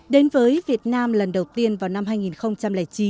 đến với việt nam lần đầu tiên vào năm hai nghìn chín